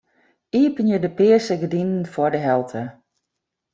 Iepenje de pearse gerdinen foar de helte.